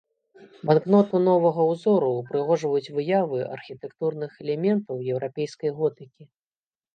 Банкноту новага ўзору ўпрыгожваюць выявы архітэктурных элементаў еўрапейскай готыкі.